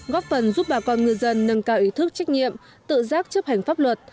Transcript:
góp phần giúp bà con ngư dân nâng cao ý thức trách nhiệm tự giác chấp hành pháp luật